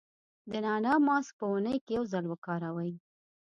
د نعناع ماسک په اونۍ کې یو ځل وکاروئ.